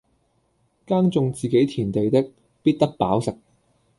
耕種自己田地的，必得飽食